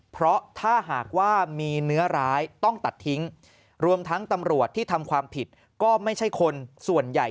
เพราะถ้าหากว่ามีเนื้อร้ายต้องตัดทิ้งรวมทั้งตำรวจที่ทำความผิดก็ไม่ใช่คนส่วนใหญ่